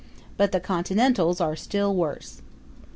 But the Continentals are still worse.